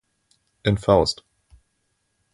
In "Faust.